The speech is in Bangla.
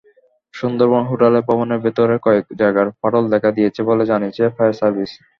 সুন্দরবন হোটেল ভবনের ভেতরে কয়েক জায়গায় ফাটল দেখা দিয়েছে বলে জানিয়েছে ফায়ার সার্ভিস।